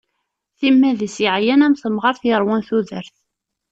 Timmad-is yeɛyan am temɣart yeṛwan tudert.